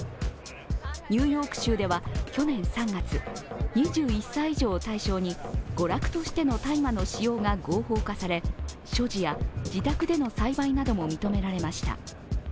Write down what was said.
ニューヨーク州では去年３月、２１歳以上を対象に娯楽としての大麻の使用が合法化され所持や自宅での栽培なども認められました。